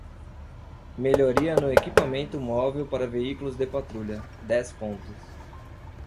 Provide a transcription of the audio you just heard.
Melhoria no equipamento móvel para veículos de patrulha: dez pontos.